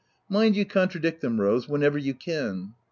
— Mind you contradict them Rose, whenever you can."